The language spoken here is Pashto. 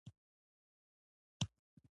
زړه د انسان د احساساتو کور دی.